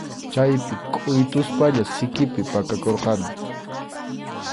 Chaypi kʼuytuspalla sikipi pakakurqani.